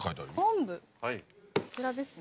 昆布こちらですね。